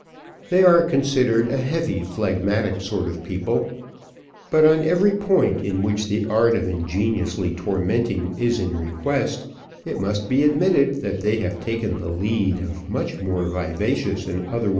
They are considered a heavy, phlegmatic sort of people, but on every point in which the art of ingeniously tormenting is in request, it must be admitted that they have taken the lead of much more vivacious and otherwise more inventive nations.